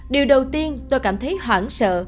điều đầu tiên tôi cảm thấy hoảng sợ